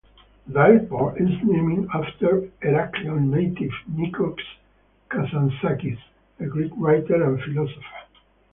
The airport is named after Heraklion native Nikos Kazantzakis, a Greek writer and philosopher.